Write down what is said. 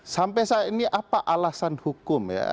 sampai saat ini apa alasan hukum ya